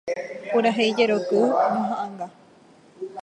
Purahéi jeroky ñohaʼãnga.